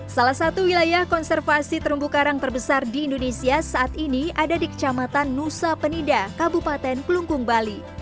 salah satu wilayah konservasi terumbu karang terbesar di indonesia saat ini ada di kecamatan nusa penida kabupaten klungkung bali